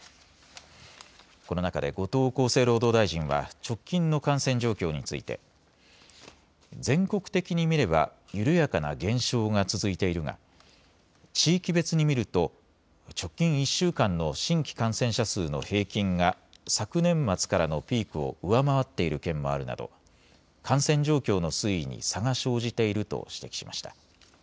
この中で後藤厚生労働大臣は直近の感染状況について全国的に見れば緩やかな減少が続いているが地域別に見ると直近１週間の新規感染者数の平均が昨年末からのピークを上回っている県もあるなど感染状況の推移に差が生じていると指摘しました。